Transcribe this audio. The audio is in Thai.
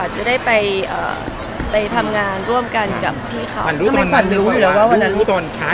จะได้ไปทำงานร่วมกันกับพี่เขา